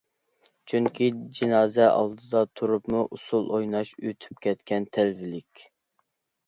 چۈنكى، جىنازا ئالدىدا تۇرۇپمۇ ئۇسسۇل ئويناش ئۆتۈپ كەتكەن تەلۋىلىك.